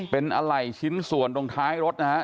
เป็นอะไหล่ชิ้นส่วนตรงท้ายรถนะฮะ